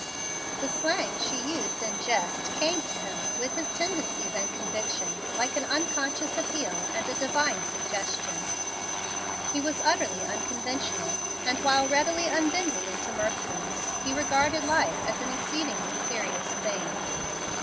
The slang she used in jest came to him, with his tendencies and convictions, like an unconscious appeal and a divine suggestion. He was utterly unconventional, and while readily unbending into mirthfulness, he regarded life as an exceedingly serious thing.